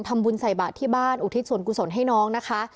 ทำบุญใส่บาทที่บ้านอุทิศส่วนกุศลให้น้องนะคะ